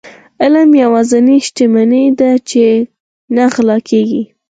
علم يوازنی شتمني ده چي نه غلا کيږي.